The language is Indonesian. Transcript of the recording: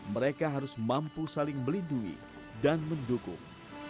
mereka harus mampu saling melindungi dan mendukung